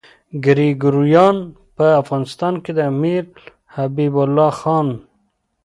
ګریګوریان په افغانستان کې د امیر حبیب الله خان.